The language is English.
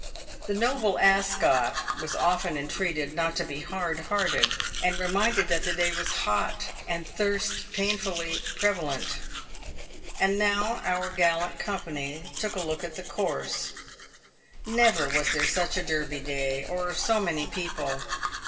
The noble Ascot was often entreated not to be 220 PAVED WITH GOLD. hard hearted, and reminded that the day was hot, and thirst painfully prevalent. And now our gallant company took a look at the course. Never was there such a Derby Day, or so many people.